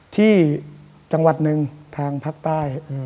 ที่จังหวัดหนึ่งทางภาคใต้